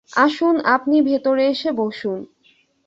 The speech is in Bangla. আসুন, আপনি ভেতরে এসে বসুন।